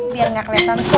biar nggak kelihatan tua